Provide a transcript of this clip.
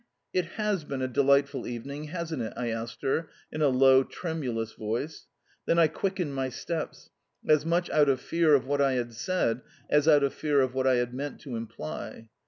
"It HAS been a delightful evening, hasn't it?" I asked her in a low, tremulous voice. Then I quickened my steps as much out of fear of what I had said as out of fear of what I had meant to imply.